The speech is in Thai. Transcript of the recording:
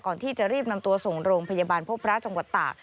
ก่อนที่จะรีบนำตัวส่งโรงพยาบาลพบพระจังหวัดตาก